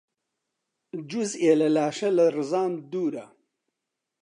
جوزئێ لە لاشە لە ڕزان دوورە